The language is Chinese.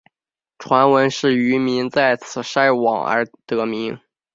传闻是渔民在此晒网而得名。